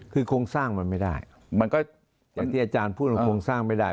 คือโครงสร้างมันไม่ได้มันก็อย่างที่อาจารย์พูดมันโครงสร้างไม่ได้